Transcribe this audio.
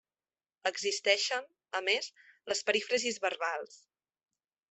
Existeixen, a més, les perífrasis verbals.